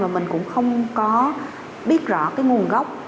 và mình cũng không có biết rõ cái nguồn gốc